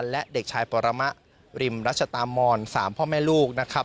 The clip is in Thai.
และเด็กชายปรมะริมรัชตามอน๓พ่อแม่ลูกนะครับ